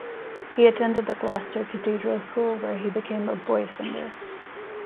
He attended the Gloucester cathedral school, where he became a boy-singer.